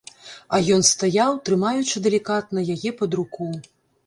А ён стаяў, трымаючы далікатна яе пад руку.